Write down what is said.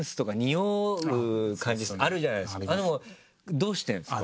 どうしてるんですか？